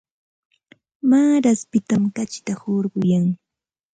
Maaraspitam kachita hurquyan.